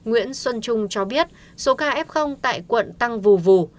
ông trung cho biết số ca f tại quận tăng vù vù